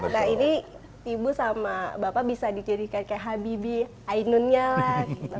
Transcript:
nah ini ibu sama bapak bisa dijadikan kayak habibie ainunnya lah